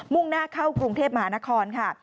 ่งหน้าเข้ากรุงเทพมหานครค่ะ